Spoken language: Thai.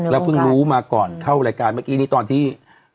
แล้วเพิ่งรู้มาก่อนเข้ารายการเมื่อกี้นี้ตอนที่